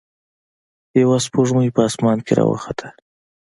یوه سپوږمۍ په اسمان کې راوخته.